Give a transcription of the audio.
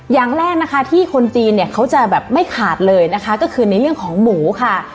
อย่างแรกนะคะที่คนจีนเนี่ยเขาจะแบบไม่ขาดเลยนะคะก็คือในเรื่องของหมูค่ะ